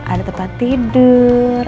ada tempat tidur